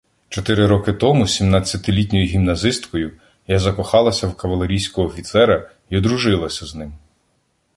Чотири роки тому, сімнадцятилітньою гімназисткою, я закохалася в кавалерійського офіцера й одружилася з ним.